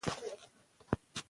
غوره هغه څوک دی چې ښه عمل ولري.